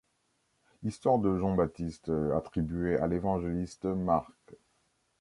Histoire de Jean Baptiste attribuée à l'Evangéliste Marc.